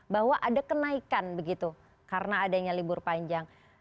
bahwa ada kenaikan begitu karena adanya libur panjang